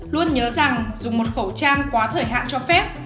luôn nhớ rằng dùng một khẩu trang quá thời hạn cho phép